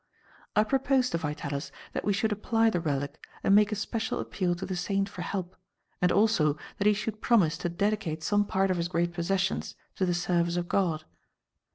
I proposed to Vitalis that we should apply the relic and make a special appeal to the saint for help, and also that he should promise to dedicate some part of his great possessions to the service of God.